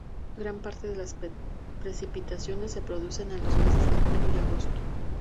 Gran parte de las precipitaciones se producen en los meses de julio y agosto.